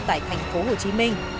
tại thành phố hồ chí minh